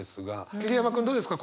桐山君どうですか？